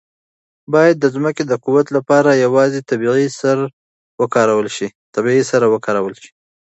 باید د ځمکې د قوت لپاره یوازې طبیعي سره وکارول شي.